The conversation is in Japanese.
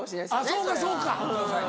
あっそうかそうか。